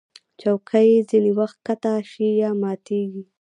چوکۍ ځینې وخت ښکته شي یا ماتېږي.